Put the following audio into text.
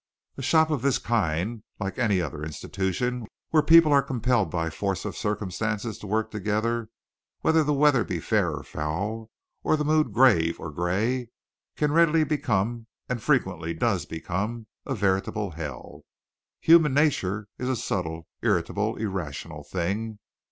A shop of this kind, like any other institution where people are compelled by force of circumstances to work together whether the weather be fair or foul, or the mood grave or gay, can readily become and frequently does become a veritable hell. Human nature is a subtle, irritable, irrational thing.